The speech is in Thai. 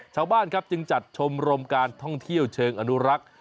ชาวบ้านครับจึงจัดชมรมการท่องเที่ยวเชิงอนุรักษ์